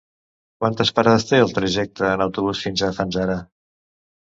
Quantes parades té el trajecte en autobús fins a Fanzara?